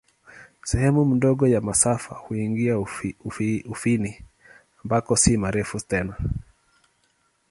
Sehemu ndogo ya masafa huingia Ufini, ambako si marefu tena.